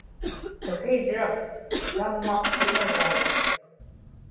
kakirrak tammaqsimaraik